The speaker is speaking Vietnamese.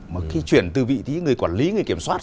mà khi chuyển từ vị trí người quản lý người kiểm soát